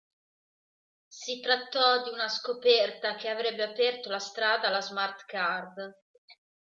Si trattò di una scoperta che avrebbe aperto la strada alla smart card.